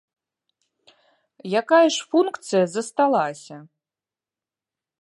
Якая ж функцыя засталася?